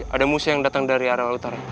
ada musya yang datang dari arah utara